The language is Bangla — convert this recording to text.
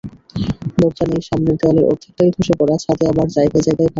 দরজা নেই, সামনের দেয়ালের অর্ধেকটাই ধসে পড়া, ছাদে আবার জায়গায় জায়গায় ভাঙা।